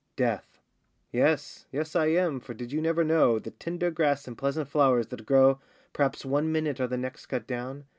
DEATH. Yes, yes, I am, for did you never know, The tender grass and pleasant flowers that grow Perhaps one minute, are the next cut down?